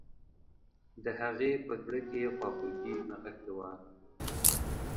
د هغې په زړه کې خواخوږي نغښتي وه